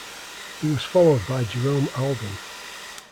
He was followed by Jerome Alden.